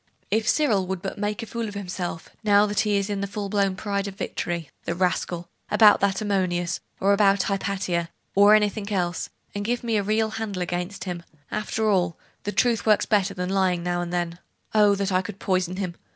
'If Cyril would but make a fool of himself, now that he is in the full blown pride of victory the rascal! about that Ammonius, or about Hypatia, or anything else, and give me a real handle against him! After all, truth works better than lying now and then. Oh, that I could poison him!